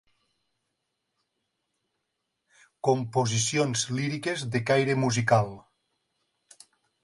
Composicions líriques de caire musical.